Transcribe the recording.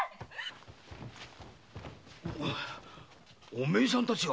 お前さんたちは。